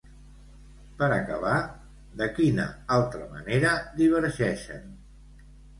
Per acabar, de quina altra manera divergeixen?